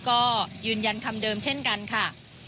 ก็ยืนยันคำเดิมเช่นกันค่ะ